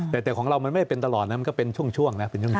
แต่ของเรามันไม่เป็นตลอดนะมันก็เป็นช่วงนะเป็นช่วง